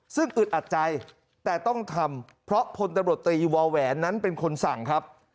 ซึ่งอึดอัดใจแต่ต้องทำเพราะพลตำรวจตีวาแหวนนั้นเป็นคนสั่งครับ